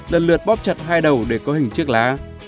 lần lượt bóp chặt hai đầu để có hình chiếc lá